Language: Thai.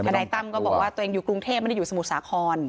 นายตั้มก็บอกว่าตัวเองอยู่กรุงเทพไม่ได้อยู่สมุทรสาคร